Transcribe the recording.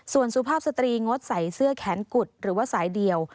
ส่วนสุภาพสตรีงดใส่เสื้อแขนกุดหรือว่าสายเดียว